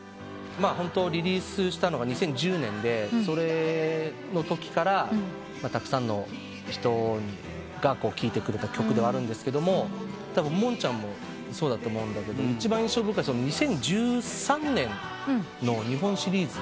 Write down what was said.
ホントリリースしたのが２０１０年でそれのときからたくさんの人が聴いてくれた曲ではあるんですがモンちゃんもそうだと思うんだけど一番印象深いのが２０１３年の日本シリーズ。